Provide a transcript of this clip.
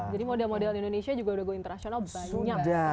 jadi model model indonesia juga udah go internasional banyak